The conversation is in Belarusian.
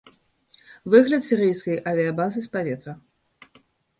Выгляд сірыйскай авіябазы з паветра.